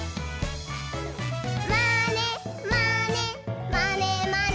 「まねまねまねまね」